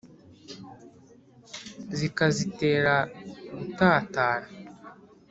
Zikazitera gutatana